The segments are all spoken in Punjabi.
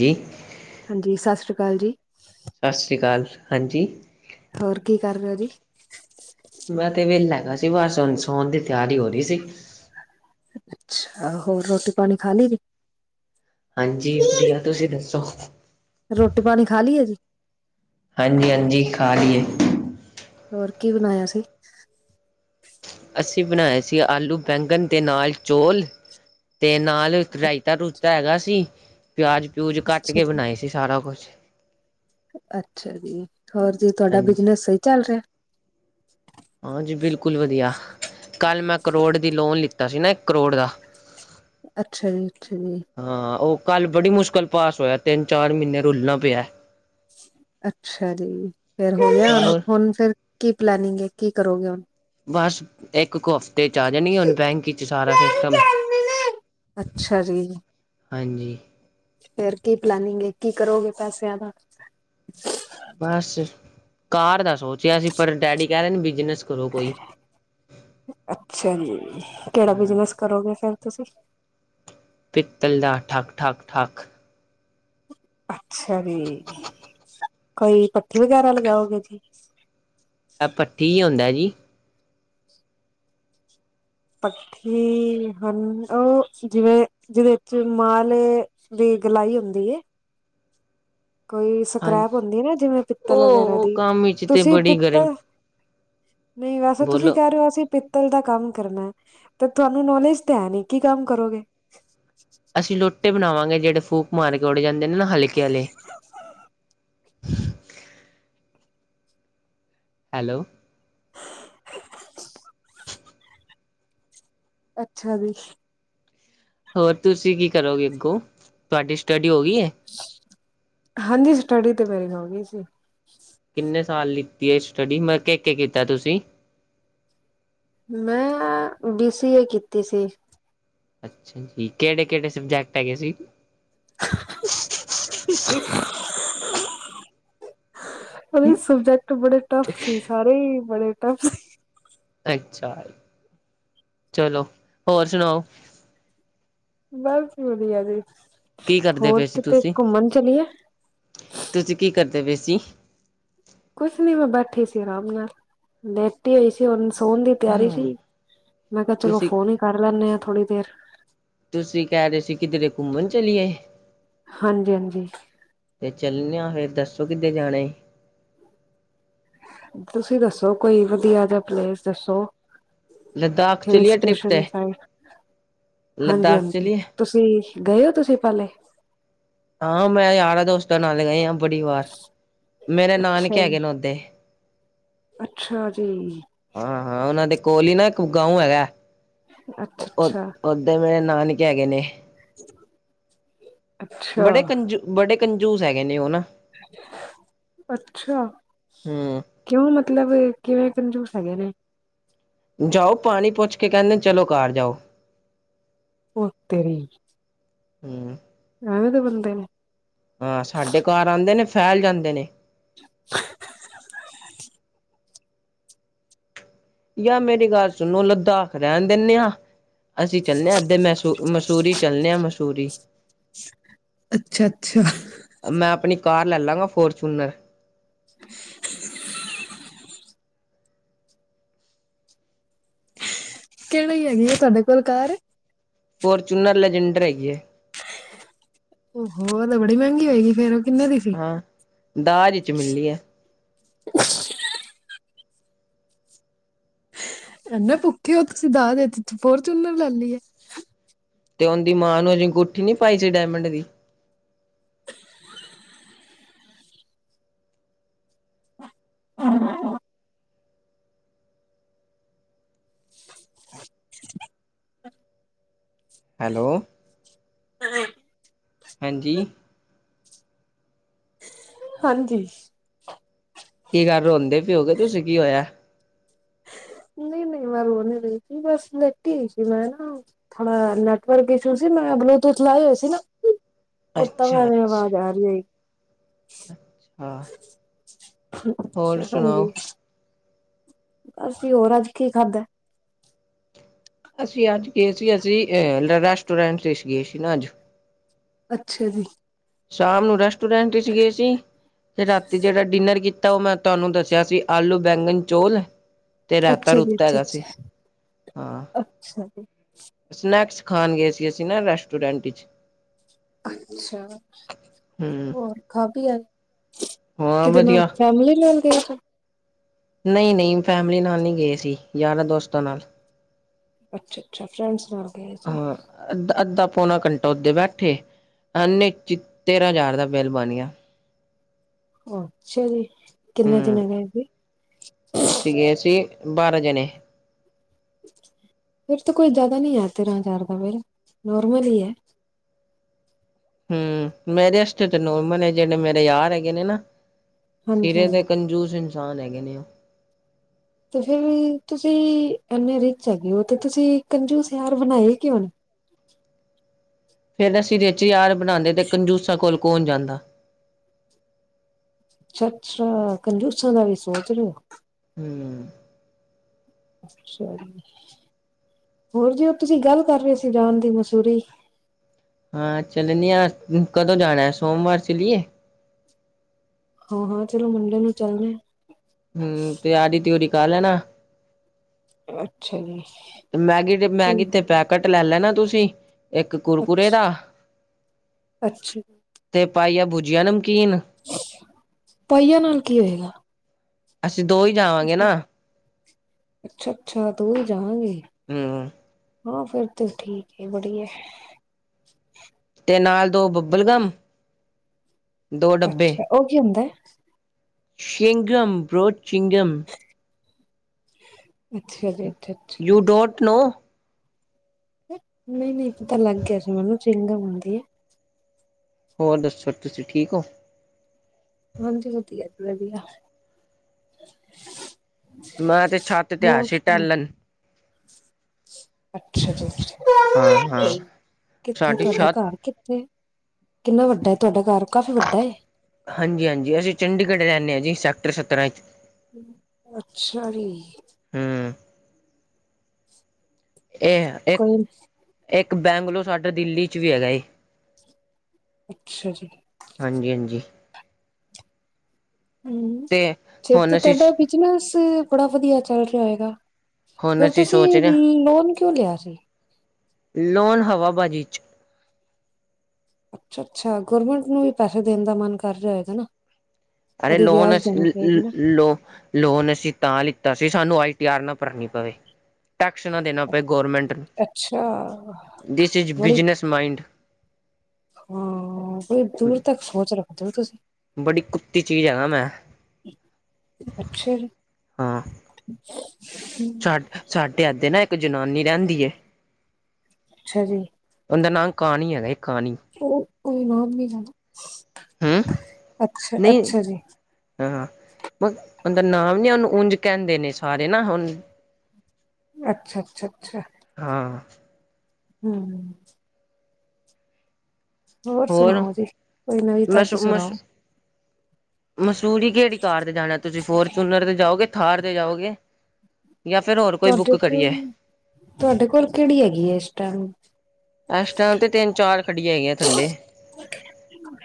ਜੀ ਹਾਂਜੀ ਸਤਿ ਸ਼੍ਰੀ ਅਕਾਲ ਜੀ ਸਤਿ ਸ਼੍ਰੀ ਅਕਾਲ ਹਾਂਜੀ ਹੋਰ ਕੀ ਕਰ ਰਹੇ ਹੋ ਜੀ ਮੈਂ ਤੇ ਵਿਹਲਾ ਹੈਗਾ ਸੀ ਬਣ ਸੌਣ ਦੀ ਤਿਆਰੀ ਹੋ ਰਹੀ ਸੀ ਅੱਛਾ ਹੋਰ ਰੋਟੀ ਪਾਣੀ ਖਾ ਲਈ ਜ ਹਾਂਜੀ ਵਧੀਆ ਤੁਸੀਂ ਦੱਸੋ ਰੋਟੀ ਪਾਣੀ ਖਾ ਲਈਏ ਜੀ ਹਾਂਜੀ ਹਾਂਜੀ ਖਾ ਲਈਏ ਹੋਰ ਕੀ ਬਣਾਇਆ ਸੀ ਅਸੀਂ ਬਣਾਏ ਸੀ ਆਲੂ ਬੈਂਗਣ ਦੇ ਨਾਲ ਚੋਲ ਤੇ ਨਾਲ ਮਤਲਬ ਰਾਇਤਾ ਰੁਇਤਾ ਹੈਗਾ ਸੀ ਪਿਆਜ ਪਿਊਜ ਕੱਟ ਅੱਛਾ ਕੇ ਜੀ ਬਣਾਏ ਸੀ ਸਾਰਾ ਕੁਛ ਅੱਛਾ ਜੀ ਹੋਰ ਜੀ ਤੁਹਾਡਾ ਹਾਂਜੀ ਬਿਜਨਸ ਸਹੀ ਚੱਲ ਰਿਹਾ ਹਾਂਜੀ ਬਿਲਕੁਲ ਵਧੀਆ ਕੱਲ੍ਹ ਮੈਂ ਕਰੋੜ ਦੀ ਲੋਨ ਲਿੱਤਾ ਸੀ ਨਾ ਇੱਕ ਕਰੋੜ ਦਾ ਅੱਛਾ ਜੀ ਅੱਛਾ ਜੀ ਹਾਂ ਉਹ ਕੱਲ ਬੜੀ ਮੁਸ਼ਕਿਲ ਪਾਸ ਹੋਇਆ ਤਿੰਨ ਚਾਰ ਮਹੀਨੇ ਰੁਲਣਾ ਪਿਆ ਅੱਛਾ ਜੀ, ਫੇਰ ਹੋ ਗਿਆ ਹੋਰ ਹੁਣ ਫਿਰ ਕੀ ਪਲਨਿੰਗ ਹੈ ਕੀ ਕਰੋਗੇ ਹੁਣ ਬਸ ਇੱਕ ਕੁਫ ਤੇ ਚ ਆ ਜਾ ਨ ਹਣ ਬੈਂਕ ਚ ਸਾਰਾ ਸਿਸਟਮ ਅੱਛਾ ਜੀ ਹਾਂਜੀ ਫੇਰ ਕੀ ਪਲਾਨਿੰਗ ਏ, ਕੀ ਕਰੋਗੇ ਪੈਸਿਆਂ ਦਾ ਬਸ ਘਾਰ ਦਾ ਸੋਚਿਆ ਸੀ, ਪਰ ਡੈਡੀ ਕਹਿ ਰਹੇ ਨੇ ਬਿਜਨਸ ਕਰੋ ਕੋਈ ਅੱਛਾ ਜੀ, ਕਿਹੜਾ ਹਮ ਬਿਜਨਸ ਕਰੋਗੇ ਫੇਰ ਤੁਸੀਂ ਪਿੱਤਲ ਦਾ ਠੱਕ-ਠੱਕ, ਠੱਕ। ਅੱਛਾ ਜੀ, ਕੋਈ ਪੱਖੀ ਵਗੈਰਾ ਲਗਾਓਗੇ ਜੀ? ਏ ਭੱਠੀ ਈ ਹੋਂਦਾ ਜੀ? ਪੱਖੀ, ਹਨ, ਉਹ ਜਿਵੇਂ ਜਿਹਦੇ ਚ ਮਾਲੋ ਦੀ ਗਲਾਈ ਹੁੰਦੀ ਏ ਕੋਈ ਸਕ੍ਰੈਪ ਹਾਂਜੀ ਹੁੰਦੀ ਨਾ, ਜਿਵੇਂ ਪਿੱਤਲ ਵਗੈਰਾ ਉਹ ਦੀ ਕੰਮ ਵਿੱਚ ਤੇ ਤੁਸੀਂ ਬੜੀ ਗਰਮ ਪਿੱਤਲ ਨਹੀਂ ਵੈਸੇ ਤੁਸੀਂ ਬੋਲੋ ਕਹਿ ਰਹੇ ਹੋ ਅਸੀਂ ਪਿੱਤਲ ਦਾ ਕੰਮ ਕਰਨਾ ਤੇ ਤੁਹਾਨੂੰ ਨੌਲੇਜ ਤਾਂ ਹੈ ਨੀ ਕੀ ਕੰਮ ਕਰੋਗੇ ਅਸੀਂ ਲੋੋਟੇ ਬਣਾਵਾਂਗੇ ਜਿਹੜੇ ਫੂਕ ਮਾਰ ਕੇ ਉਡੜ ਜਾਂਦੇ ਨੇ ਨਾ ਹਲਕੇ ਆਲੇ [inaudible] ਹੈਲੋ ਅੱਛਾ ਜੀ ਹੋਰ ਤੁਸੀਂ ਕੀ ਕਰੋਗੇ ਅੱਗੋਂ ਤੁਹਾਡੀ ਸਟੱਡੀ ਹੋ ਗਈ ਹੈ ਹਾਂਜੀ ਸਟੱਡੀ ਤੇ ਮੇਰੀ ਹੋ ਗਈ ਸੀ ਕਿੰਨੇ ਸਾਲ ਲਿੱਤੀ ਹੈ ਸਟੱਡੀ, ਮਤਲਬ ਕੇ ਕੀਤਾ ਤੁਸੀਂ? ਮੈਂ ਬੀ ਸੀ ਏ ਕੀਤੀ ਸੀ। ਅੱਛਾ ਜੀ, ਕਿਹੜੇ-ਕਿਹੜੇ ਸਬਜੈਕਟ ਹੈਗੇ ਸੀ? [inaudible] ਉਹਦੇ ਸਬਜੈਕਟ ਬੜੇ ਟਫ ਸੀ, ਸਾਰੇ ਹੀ ਬੜੇ ਟਫ ਸੀ। ਅੱਛਾ, ਚਲੋ ਹੋਰ ਸੁਣਾਓ? ਬਸ ਵਧੀਆ ਜੀ, ਕੀ ਕਰਦੇ ਹੋਰ ਪਏ ਸੀ ਕਿਤੇ ਤੁਸੀਂ ਘੁੰਮਣ ਚਲੀਏ? ਤੁਸੀਂ ਕੀ ਕਰਦੇ ਪੇਸੀ? ਕੁਛ ਨੀ ਮੈਂ ਬੈਠੀ ਸੀ ਆਰਾਮ ਨਾਲ। ਲੇਟ ਟੀ ਹੋਈ ਸੀ। ਹੁਣ ਸੋਹਣ ਦੀ ਤਿਆਰੀ ਸੀ, ਮੈਂ ਕਿਹਾ ਚਲੋ ਤੁਸੀਂ ਫੋਨ ਹੀ ਕਰ ਲੈਂਦੇ ਆ ਥੋੜ੍ਹੀ ਦੇਰ। ਤੁਸੀਂ ਕਹਿ ਰਹੇ ਸੀ ਕਿਧਰੇ ਘੁੰਮਣ ਚਲੀਏ? ਹਾਂਜੀ-ਹਾਂਜੀ। ਅਤੇ ਚੱਲਣ ਹਾਂ। ਫਿਰ ਦੱਸੋ ਕਿੱਦੇ ਜਾਣਾ ਹੈ। ਤੁਸੀਂ ਦੱਸੋ? ਕੋਈ ਵਧੀਆ ਜਿਹਾ ਪਲੇਸ ਦੱਸੋ? ਲੱਦਾਖ ਹਿਲ ਚਲੀਏ ਟ੍ਰਿਪ ਸਟੇਸ਼ਨ ਤੇ ਸਾਈਡ, ਲੱਦਾਖ ਹਾਂਜੀ-ਹਾਂਜੀ। ਚਲੀਏ ਤੁਸੀਂ ਗਏ ਹੋ, ਤੁਸੀਂ ਪਹਿਲੇ? ਹਾਂ, ਮੈਂ ਯਾਰਾਂ-ਦੋਸਤਾਂ ਨਾਲ ਗਏ ਆਂ ਬੜੀ ਵਾਰ। ਮੇਰੇ ਨਾਨਕੇ ਅੱਛਾ ਹੈਗੇ ਨੇ ਉਂਦੇ। ਅੱਛਾ ਜੀ ਹਾਂ-ਹਾਂ, ਉਹਨਾਂ ਦੇ ਕੋਲ ਹੀ ਨਾ ਇੱਕ ਗਾੰਉ ਹੈਗਾ। ਅੱਛਾ ਓ ਅੱਛਾ ਓ ਤੇ, ਮੇਰੇ ਨਾਨਕੇ ਹੈਗੇ ਨੇ। ਬੜੇ ਅੱਛਾ ਕੰਜੂ, ਬੜੇ ਕੰਜੂਸ ਹੈਗੇ ਨੇ ਉਹ ਨਾ। ਅੱਛਾ। ਹੂੰ ਕਿਉਂ ਮਤਲਬ, ਕਿਵੇਂ ਕਂਜੂਸ ਹੈਗੇ ਨੇ? ਜਾਓ, ਪਾਣੀ ਪੁੱਛ ਕੇ, ਕਹਿੰਦੇ ਚਲੋ ਘਰ ਜਾਓ। ਓ ਤੇਰੀ। ਹੁਂ। ਐਵੇ ਢੇ ਬੰਦੇ ਨੇ? ਹਾਂ, ਸਾਡੇ ਘਰ ਆਂਦੇ ਨੇ, ਫੈਲ ਜਾਂਦੇ ਨੇ। ਯਾ, ਮੇਰੀ ਗੱਲ ਸੁਣੋ। ਲੱਦਾਖ ਰਹਿਣ ਦਿੰਦੇ ਹਾਂ। ਅਸੀਂ ਚੱਲਨੇ ਹਾਂ, ਅੱਧੇ ਮਸੂ ਮਸੂਰੀ ਚੱਲਦੇ ਹਾਂ, ਮਸੂਰੀ। ਅੱਛਾ-ਅੱਛਾ। ਮੈਂ ਆਪਣੀ ਕਾਰ ਲੈ ਲਾਂਗਾ, ਫੋਰਚੂਨਰ। [inaudible] ਕਿਹੜ ਹੈਗੀ ਆ ਤੁਹਾਡੇ ਕੋਲ ਕਾਰ? ਫੋਰਚੂਨਰ ਲੈਜੈਂਡਰ ਹੈਗੀ ਏ। ਉਹ-ਉਹੋ, ਤਾਂ ਬੜੀ ਮਹਿੰਗੀ ਹੋਏਗੀ ਫੇਰ? ਕਿੰਨੇ ਦੀ ਸੀ ਹਾਂ ਦਾਜ ਚ ਮਿਲੀ ਹੈ। [unintelligible] ਇਹ ਨੇ ਭੁੱਖੇ ਹੋ ਤੁਸੀਂ? ਦਾਜ਼ ਵਿੱਚ ਫੋਰਚੂਨਰ ਲੈ ਲਈ ਆ। ਤੇ ਉਹਦੀ ਮਾਂ ਨੂੰ ਅਸੀਂ ਅਗੂਂਠੀ ਨੀ ਪਾਈ ਸੀ ਡਾਇਮੰਡ ਦੀ। [inaudible] ਹੈਲੋ। ਹਾਂਜੀ? ਹਾਂਜੀ। ਕੀ ਗਲ ਰੋਦੇ ਪੀੳ ਕਿ ਤੁਸੀਂ, ਕੀ ਹੋਇਆ? ਨਹੀਂਈ-ਨਹੀਂਈ ਮੈਂ ਰੋ ਨੀ ਰਈ, ਬੱਸ ਲੈਟੀ ਹੋਈ ਸੀ ਮੈਂ ਨਾ। ਥੋੜਾ ਨੈਟਵਰਕ ਇਸ਼ੂ ਸੀ ਮੈਂ ਬਲੂਟੂਥ ਲਾਏ ਹੋਏ ਸੀ ਨਾ ਉੱਤੋਂ ਅੱਛਾ ਐਵੇਂ ਅੱਛਾ ਆਵਾਜ਼ ਆ ਰਹੀ ਹੈ ਹਾਂ ਹੋਰ ਸੁਣਾਓ ਹਾਂਜੀ ਅਸੀਂ ਹੋਰ ਅੱਜ ਕੀ ਖਾਧਾ ਅਸੀਂ ਅੱਜ ਗਏ ਸੀ ਅਸੀਂ ਅਹ ਰੈਸਟੋਰੈਂਟ ਤੇ ਗਏ ਸੀ ਨਾ ਅੱਜ ਅੱਛਾ ਜੀ। ਸ਼ਾਮ ਨੂੰ ਰੈਸਟੋਰੈਂਟ ਵਿੱਚ ਗਏ ਸੀ ਤੇ ਰਾਤੀ ਜਿਹੜਾ ਡਿਨਰ ਕੀਤਾ ਤਾਂ ਉਹ ਮੈਂ ਤੁਹਾਨੂੰ ਦੱਸਿਆ ਸੀ ਆਲੂ ਬੈਂਗਨ ਚੋਲ ਹੈ। ਤੇ ਰਤਾ ਅੱਛਾ ਜੀ ਰੁੱਤਾ ਅੱਛਾ ਹੈਗਾ ਸੀ ਅੱਛਾ। ਹਾਂ। ਅੱਛਾ ਜੀ। ਸਨੈਕਸ ਖਾਣ ਗਏ ਸੀ ਅਸੀਂ ਨਾ ਰੈਸਟੋਰੈਂਟ ਚ। [unintelligible] ਹੂੰ ਹੋਰ ਖਾ ਕੇ ਆਏ ਹਾਂ ਕਿਦੇ ਨਾਲ ਵਧੀਆ ਫੈਮਿਲੀ ਨਾਲ ਗਏ ਸੀ ਨਹੀਂ ਨਹੀਂ ਫੈਮਿਲੀ ਨਾਲ ਨਹੀਂ ਗਏ ਸੀ ਯਾਰਾਂ ਦੋਸਤਾਂ ਨਾਲ ਅੱਛਾ ਅੱਛਾ ਫਰੈਂਡਸ ਨਾਲ ਗਏ ਸੀ। ਹਾਂ ਅੱਧਾ ਅੱਧਾ ਪੌਣਾ ਘੰਟਾ ਓਦੇ ਬੈਠੇ ਐਨੇ ਚ ਤੇਰਾਂ ਹਜ਼ਾਰ ਦਾ ਬਿੱਲ ਬਣ ਗਿਆ। ਅੱਛਾ ਜੀ ਕਿੰਨੇ ਹੂੰ ਜਾਣੇ ਗਏ ਸੀ। ਅਸੀਂ ਗੇ ਸੀ ਬਾਰਾਂ ਜਣੇ। ਫਿਰ ਤਾਂ ਕੋਈ ਜ਼ਿਆਦਾ ਨ ਆ ਤੇਰਾਂ ਹਜ਼ਾਰ ਦਾ ਬਿੱਲ ਨੋਰਮਲ ਹੀ ਹੈ। ਹੂ ਮੇਰੇ ਵਾਸਤੇ ਤੇ ਨੋਰਮਲ ਹੈ ਜਿਹੜੇ ਮੇਰੇ ਯਾਰ ਹੈਗੇ ਨੇ ਨਾ ਸਿਰੇ ਹਾਂਜੀ-ਹਾਂਜੀ ਦੇ ਕੰਜੂਸ ਇਨਸਾਨ ਹੈਗੇ ਨੇ ਉਹ ਤੇ ਫਿਰ ਤੁਸੀਂ ਐਨੇ ਰਿਚ ਹੈਗੇ ਹੋ ਤੇ ਤੁਸੀਂ ਕੰਜੂਸ ਯਾਰ ਬਣਾਏ ਹੀ ਕਿਉਂ ਨੇ ਫਿਰ ਅਸੀਂ ਰਿਚ ਯਾਰ ਬਣਾਉਂਦੇ ਤੇ ਕੰਜੂਸਾਂ ਕੋਲ ਕੋਲ ਜਾਂਦਾ। ਅੱਛਾ ਅੱਛਾ ਕੰਜੂਸਾਂ ਦਾ ਵੀ ਸੋਚ ਰਹੇ ਹੋ। ਹੂ,,, ਅੱਛਾ ਜੀ ਹੋਰ ਜੇ ਉਹ ਤੁਸੀਂ ਗੱਲ ਕਰ ਰਹੇ ਸੀ ਜਾਨ ਦੀ ਮਸੂਰੀ ਹਾਂ ਚੱਲਣੇ ਹਾਂ ਕਦੋਂ ਜਾਣਾ ਸੋਮਵਾਰ ਚਲੀਏ। ਹਾਂ ਹਾਂ ਚਲੋ ਮੰਡੇ ਨੂੰ ਚੱਲਦੇ ਹੂ ਤੇ ਤਿਆਰੀ ਤਿਓਰੀ ਕਰ ਲੈਣਾ। ਅੱਛਾ ਜੀ। ਤੇ ਮੈਗੀ ਤੇ ਮੈਗੀ ਤੇ ਪੈਕੇਟ ਲੈ ਲੈਣਾ ਤੁਸੀਂ। ਇੱਕ ਕੁਰਕਰੇ ਦਾ ਅੱਛਾ। ਤੇ ਪਾਈ ਆ ਬੁਜੀਆ ਨੂੰ ਪਾਈਆ ਨਾਲ ਕੀ ਹੋਏਗਾ ਅਸੀਂ ਦੋ ਹੀ ਜਾਵਾਂਗੇ ਨਾ। ਅੱਛਾ ਅੱਛਾ ਦੋਵੇਂ ਜਾਵਾਂਗੇ। ਹੂੰ। ਹਾਂ ਫਿਰ ਤੇ ਠੀਕ ਹੈ ਬੜੀਆ। ਤੇ ਨਾਲ ਦੋ ਬੱਬਲ ਗਮ, ਦੋ ਡੱਬੇ। ਅੱਛਾ ਉਹ ਕੀ ਹੁੰਦਾ? ਹੈ? ਚਿੰਗਮ ਬਰੋ ਚਿੰਗਮ। [unintelligible] [inaudible] ਜੀ ਅੱਛਾ-ਅੱਛਾ ਯੂ ਡੋਂਟ ਨੋ? ਨਹੀਂ ਨਹੀਂ ਪਤਾ ਲੱਗ ਗਿਆ ਸੀ ਮੈਨੂੰ ਚਿੰਗਾਮ ਬਣਦੀ ਹੈ। ਹੋਰ ਦੱਸੋ ਤੁਸੀਂ ਠੀਕ ਹੋ। ਹਾਂਜੀ ਵਧੀਆ ਵਧੀਆ। ਮੈਂ ਤੇ ਛੱਤ ਤੇ ਆ ਹੋਰ ਸੀ ਸੁਣਾਓ? ਟੇਲਣ। ਅੱਛਾ ਹਾਂ ਹਾਂ ਜੀ ਕਿੱਥੇ ਸਾਡੀ ਤੁਹਾਡਾ ਛੱਤ ਘਰ ਕਿੱਥੇ? ਕਿੰਨਾ ਵੱਡਾ ਹੈ ਤੁਹਾਡਾ ਘਰ ਕਾਫੀ ਵੱਡਾ ਹਾਂਜੀ ਹਾਂਜੀ ਅਸੀਂ ਚੰਡੀਗੜ੍ਹ ਰਹਿੰਦੇ ਹਾਂ ਜੀ ਸੈਕਟਰ ਸੱਤਰਾਂ ਵਿੱਚ। ਅੱਛਾ ਜੀ। ਹੂੰ ਇਹ ਇੱਕ ਕੋਈ ਇੱਕ ਬੈਂਗਲੋ ਸਾਡਾ ਦਿੱਲੀ ਚ ਵੀ ਹੈਗਾ ਏ। ਅੱਛਾ ਜੀ। ਹਾਂਜੀ ਹਾਂਜੀ। ਹਮ ਤੇ ਫਿਰ ਤੇ ਹੁਣ ਅਸੀਂ ਤੁਹਾਡਾ ਬਿਜਨਸ ਬੜਾ ਵਧੀਆ ਚੱਲ ਰਿਹਾ ਹੈਗਾ। ਹੁਣ ਫਿਰ ਅਸੀਂ ਸੋਚ ਤੁਸੀਂ ਰਹੇ ਲੋਨ ਕਿਉਂ ਲਿਆ ਸੀ। ਲੋਣ ਹਵਾਬਾਜ਼ੀ ਚ। ਅੱਛਾ ਅੱਛਾ ਗਰਮੈਂਟ ਨੂੰ ਵੀ ਪੈਸੇ ਦੇਣ ਦਾ ਮਨ ਕਰ ਰਿਹਾ ਹੈਗਾ ਨਾ। ਅਰੇ ਉਹਦੀ ਲੋਨ ਵਿਆਜ ਦੇਣੀ ਪਏਗੀ ਨਾ ਲੋਨ ਲੋਨ ਅਸੀਂ ਤਾਂ ਲਿੱਤਾ ਸੀ ਸਾਨੂੰ ਆਈ ਟੀ ਆਰ ਨਾ ਭਰਨੀ ਪਵੇ। ਟੈਕਸ ਨਾ ਦੇਣਾ ਪਏ ਗੌਰਮੈਂਟ ਨੂੰ ਅੱਛਾ ਦਿਸ ਇਜ਼ ਬੜੀ ਬਿਜਨਸ ਮਾਈੰਡ। ਹਾਂ ਬਈ ਦੂਰ ਤੱਕ ਸੋਚ ਰੱਖਦੇ ਹੋ ਤੁਸੀਂ। ਬੜੀ ਕੁੱਤੀ ਚੀਜ਼ ਹੈ ਨਾ ਮੈਂ ਅੱਛਾ ਜੀ ਹਾਂ। [inaudible] ਸਾਡ ਸਾਡੇ ਅਦੇ ਨਾ ਇੱਕ ਜਨਾਨੀ ਰਹਿੰਦੀ ਹੈ। ਅੱਛਾ ਜੀ। ਉਹਦਾ ਨਾਮ ਕਾਣੀ ਹੈਗਾ ਕਾਣੀ। ਉਹ ਕੋਈਨਾਮ ਨੀ ਹੂੰ ਜਾਦਾ ਅੱਛਾ ਨਹੀਂ ਅੱਛਾ ਜੀ। ਹਾਂ ਉਹਦਾ ਨਾਮ ਨੀ ਉਹਨੂੰ ਉਂਝ ਕਹਿੰਦੇ ਨੇ ਸਾਰੇ ਨਾ ਹੁਣ ਅੱਛਾ ਅੱਛਾ ਅੱਛਾ। ਹਾਂ। ਹਮ। ਹੋਰ ਸੁਣਾਓ ਜੀ ਕੋਈ ਨਵੀਂ ਮਸ ਤਾਜ਼ੀ ਸੁਣਾਓ। ਮਸ ਮਸੂਰੀ ਕਿਹੜੀ ਕਾਰ ਤੇ ਜਾਣਾ ਤੁਸੀਂ ਫੋਰਚੂਨਰ ਤੇ ਜਾਓਗੇ, ਥਾਰ ਤੇ ਜਾਓਗੇ। ਜਾਂ ਫਿਰ ਹੋਰ ਕੋਈ ਤੁਹਾਡੇ ਬੁੱਕ ਕੋਲ ਕਰੀਏ। ਤੁਹਾਡੇ ਕੋਲ ਕਿਹੜੀ ਹੈਗੀ ਹੈ ਇਸ ਟਾਈਮ। ਇਸ ਟਾਈਮ ਤੇ ਤਿੰਨ ਚਾਰ ਖੜੀਆਂ ਹੈਗੀਆਂ ਥੱਲੇ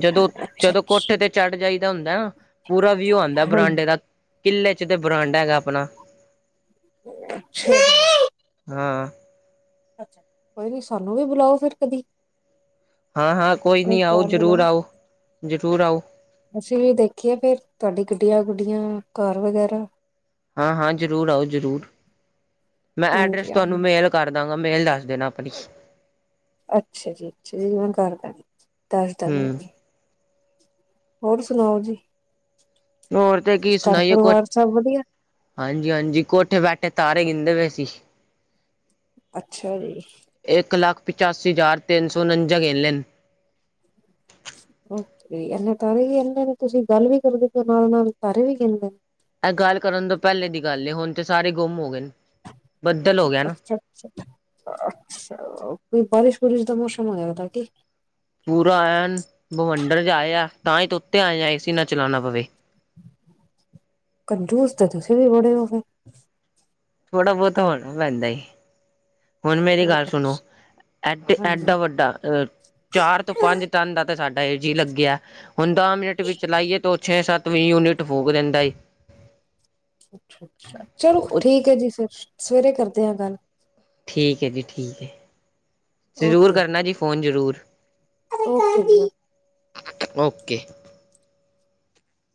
ਜਦੋਂ ਜਦੋਂ ਕੋਠੇ ਅੱਛਾ-ਅੱਛਾ ਤੇ ਚੜ ਜਾਈਦਾ ਹੁੰਦਾ ਨਾ ਪੂਰਾ ਵਿਊ ਆਉਂਦਾ ਹਾਂਜੀ। ਬਰਾਂਡੇ ਦਾ ਕਿੱਲੇ ਚ ਤੇ ਬਰਾਂਡਾ ਹੈਗਾ ਆਪਣਾ। ਅੱਛਾ। ਹਾਂ। ਕੋਈ ਨੀ ਸਾਨੂੰ ਵੀ ਬੁਲਾਓ ਫਿਰ ਕਦੀ। ਹਾਂ ਹਾਂ ਕੋਈ ਨਹੀਂ ਨੀ ਆਓ ਘਰ ਜ਼ਰੂਰ ਬੁਲਾਓ। ਆਓ ਜ਼ਰੂਰ ਆਓ। ਅਸੀਂ ਵੀ ਦੇਖੀਏ ਫਿਰ ਤੁਹਾਡੀ ਗੱਡੀਆਂ ਗੁੱਡੀਆਂ ਘਰ ਵਗੈਰਾ। ਹਾਂ ਹਾਂ ਜ਼ਰੂਰ ਆਓ ਜ਼ਰੂਰ। ਮੈਂ ਐਡਰੈਸ ਹਾਂਜੀ ਆ ਤੁਹਾਨੂੰ ਮੇਲ ਕਰਦਾਂਗਾ ਮੇਲ ਦੱਸ ਦੇਣਾ ਆਪਣੀ। ਅੱਛਾ ਜੀ ਅੱਛਾ ਜੀ ਮੈਂ ਕਰ ਦੇਣੀ ਦੱਸਦਾ ਮੈਂ ਹੂੰ, ਜੀ। ਹੋਰ ਸੁਣਾਓ ਜੀ। ਹੋਰ ਤੇ ਕੀ ਘਰ ਸੁਣਾਈਏ ਕੋ ਪਰਿਵਾਰ ਸਭ ਵਧੀਆ। ਹਾਂਜੀ-ਹਾਂਜੀ ਕੋਠੇ ਬੈਠੇ ਤਾਰੇ ਗਿਦੇ ਪਏ ਸੀ। ਅੱਛਾ ਜੀ। ਇੱਕ ਲੱਖ ਪਚਾਸੀ ਹਜ਼ਾਰ ਤਿੰਨ ਸੌ ਉਣੰਜਾ ਗਿਣ ਲਏ ਨੇ ਓ ਕੇ, ਇਹੇ ਤਾਰੇ ਵੀ, ਕਹਿੰਦੇ ਨੇ ਤੁਸੀਂ ਗੱਲ ਵੀ ਕਰਦੇ ਪਏ ਹੋ, ਨਾਲ- ਨਾਲ ਤਾਰੇ ਵੀ ਕਹਿੰਦੇ ਨੇ ਇਹ ਗੱਲ ਕਰਨ ਤੋਂ, ਪਹਿਲੇ ਦੀ ਗੱਲ ਏ। ਹੁਣ ਤੇ ਸਾਰੇ ਗੁੰਮ, ਹੋ ਗਏ ਨੇ। ਬੱਦਲ ਹੋ ਗਿਆ ਨਾ। ਅੱਛਾ-ਅੱਛਾ, ਅੱਛਾ ਕੋਈ ਬਾਰਿਸ਼- ਵੁਰਿਸ਼ ਦਾ ਮੌਸਮ, ਹੋ ਗਿਆਦਾ ਕੀ। ਪੂਰਾ ਆਇ ਭਵੰਡਰ ਜਾਏ ਆ ਤਾਂ ਹੀ ਤ ਉੱਤੇ ਆਏ ਆ ਏ ਸੀ ਨਾ ਚਲਾਉਣਾ ਪਵੇ ਕੰਝੂਸ ਤਾਂ ਤੁਸੀਂ ਵੀ ਬੜੇ ਹੋ ਥੋੜਾ ਬਹੁਤ ਹੋਣਾ ਪੈਂਦਾ ਹੁਣ ਮੇਰੀ ਫਿਰ ਗੱਲ ਸੁਣੋ ਐਡ ਹਾਂਜੀ ਐਡਾ ਵੱਡਾ ਅਹ ਚਾਰ ਤੋਂ ਪੰਜ ਟਨ ਦਾ ਤਾਂ ਸਾਡਾ ਏ ਜੀ ਲੱਗਿਆ ਹੁਣ ਦਸ ਮਿੰਟ ਵੀ ਚਲਾਾਈਏ ਤਾਂ ਛੇ ਸੱਤ ਵੀਹ ਯੂਨਿਟ ਫੂਕ ਦਿੰਦਾ ਏ। ਅੱਛਾ ਅੱਛਾ ਚਲੋ ਠੀਕ ਹੈ ਜੀ ਫਿਰ ਸਵੇਰੇ ਕਰਦੇ ਹਾਂ ਗੱਲ। ਠੀਕ ਹੈ ਜੀ ਠੀਕ ਹੈ ਜ਼ਰੂਰ ਓਕੇ ਕਰਨਾ ਜੀ ਫੋਨ ਜ਼ਰੂਰ। ਓਕੇ ਜੀ [unintelligible] ਓਕੇ